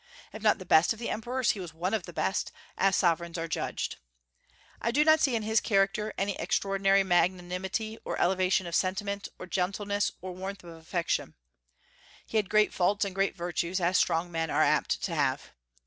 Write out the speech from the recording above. If not the best of the emperors, he was one of the best, as sovereigns are judged. I do not see in his character any extraordinary magnanimity or elevation of sentiment, or gentleness, or warmth of affection. He had great faults and great virtues, as strong men are apt to have.